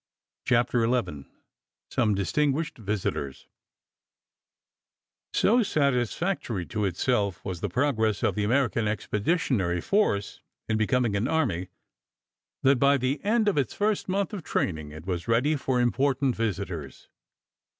CHAPTER XI SOME DISTINGUISHED VISITORS So satisfactory to itself was the progress of the American Expeditionary Force in becoming an army that by the end of its first month of training it was ready for important visitors.